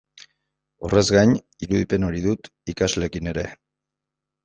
Horrez gain, irudipen hori dut ikasleekin ere.